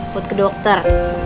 buat ke dokter